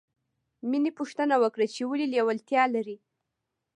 مینې پوښتنه وکړه چې ولې لېوالتیا لرې